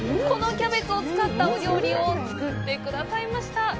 このキャベツを使ったお料理を作ってくださいました。